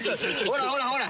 ほらほらほら！